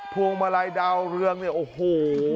พวงมาลัยดาวเรืองเนี่ยโอ้โห